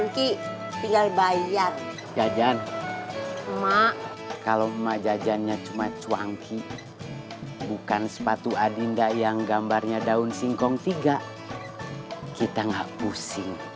kamu kenapa nangis